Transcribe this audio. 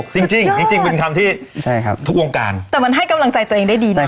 จริงจริงเป็นคำที่ใช่ครับทุกวงการแต่มันให้กำลังใจตัวเองได้ดีนะ